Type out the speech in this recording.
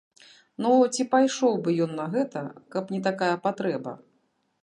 Ну, ці пайшоў бы ён на гэта, каб не такая патрэба?